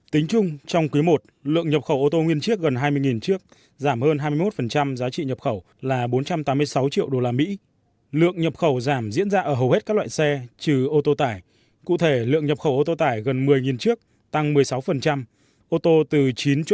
tính chung trong quý i lượng nhập khẩu ô tô nguyên chiếc gần hai mươi chiếc giảm hơn hai mươi một giá trị nhập khẩu là bốn trăm tám mươi sáu triệu usd lượng nhập khẩu giảm diễn ra ở hầu hết các loại xe trừ ô tô tải cụ thể lượng nhập khẩu ô tô tải gần một mươi chiếc tăng một mươi sáu ô tô từ chín chỗ ngồi trở xuống là gần bảy chiếc các loại ô tô khác hơn ba chiếc